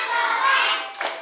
minta allah sampai mati